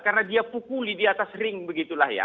karena dia pukuli di atas ring begitulah ya